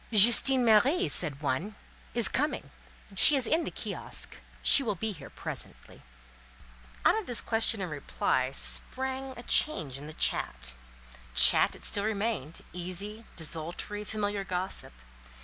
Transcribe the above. "Justine Marie," said one, "is coming; she is in the kiosk; she will be here presently." Out of this question and reply sprang a change in the chat—chat it still remained, easy, desultory, familiar gossip.